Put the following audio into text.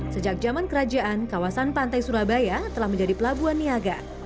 sejak zaman kerajaan kawasan pantai surabaya telah menjadi pelabuhan niaga